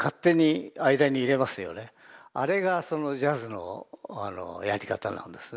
あれがそのジャズのやり方なんですね。